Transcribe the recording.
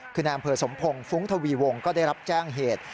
คือนายอำเภอสมพงศ์ฟุ้งทวีวงก็ได้รับแจ้งเหตุ